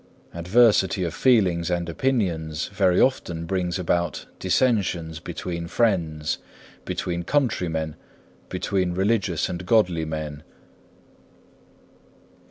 Diversity of feelings and opinions very often brings about dissensions between friends, between countrymen, between religious and godly men.